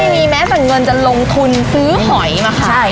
ไม่มีแม้แต่เงินจะลงทุนซื้อหอยมาขายใช่ค่ะ